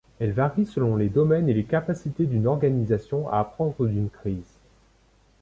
Elles varient selon les domaines et les capacités d'une organisation à apprendre d'une crise.